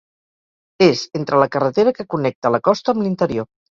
És entre la carretera que connecta la costa amb l'interior.